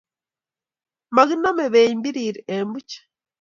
Makinamei beny birir ei buch